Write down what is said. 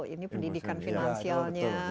ini pendidikan finansialnya